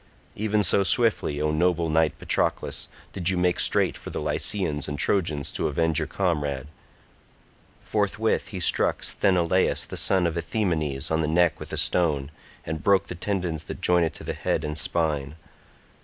Even so swiftly, O noble knight Patroclus, did you make straight for the Lycians and Trojans to avenge your comrade. Forthwith he struck Sthenelaus the son of Ithaemenes on the neck with a stone, and broke the tendons that join it to the head and spine.